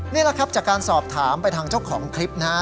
นี่แหละครับจากการสอบถามไปทางเจ้าของคลิปนะฮะ